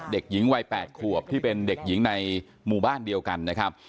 เด็กหญิงวัย๘ขวบที่เป็นเด็กหญิงในหมู่บ้านเดียวกันนะครับ